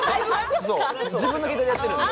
自分の携帯でやってるんで。